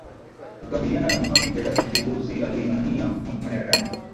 kukabiliana na mohamed gaddafi kiongozi aliengangania madarakani